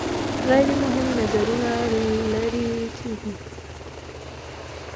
غیر مهم نظرونه لرې کیږي.